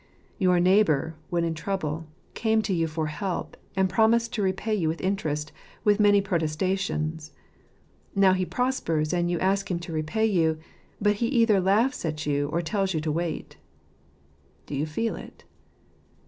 Your neighbour, when in trouble, came to you for help, and promised to repay you with interest, with many protestations : now he prospers, and you ask him to repay you ; but he either laughs at you, or tells you to wait Do you feel it